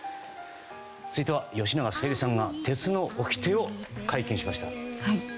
続いては吉永小百合さんが鉄のおきてを解禁しました。